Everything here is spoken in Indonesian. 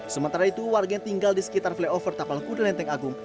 sementara itu warga yang tinggal di sekitar flyover tapal kuda lenteng agung